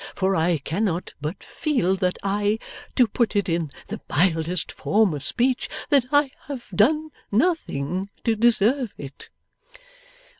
For I cannot but feel that I to put it in the mildest form of speech that I have done nothing to deserve it.